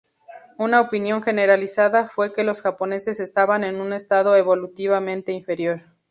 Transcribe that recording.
Una opinión generalizada fue que los japoneses estaban en un estado evolutivamente inferior.